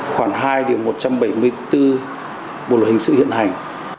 khoảng hai một trăm bảy mươi bốn bộ lực hình sự hiện hành